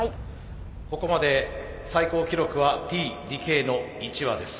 ここまで最高記録はＴ・ＤＫの１羽です。